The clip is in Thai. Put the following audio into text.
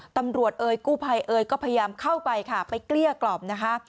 เอ่ยกู้ภัยเอยก็พยายามเข้าไปค่ะไปเกลี้ยกล่อมนะคะ